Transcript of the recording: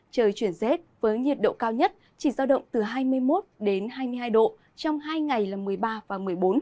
trời chuyển rét với nhiệt độ cao nhất chỉ giao động từ hai mươi một hai mươi hai độ trong hai ngày là một mươi ba và một mươi bốn